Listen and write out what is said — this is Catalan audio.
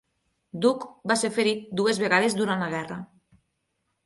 Duke va ser ferit dues vegades durant la guerra.